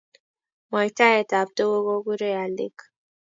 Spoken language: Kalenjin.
Mwaitaet ab tuguk kokurei alik